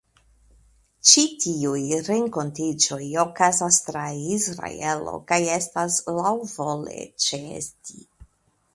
Ĉi tiuj renkontiĝoj okazas tra Israelo kaj estas laŭvole ĉeesti.